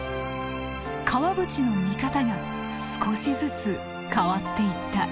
川淵の見方が少しずつ変わっていった。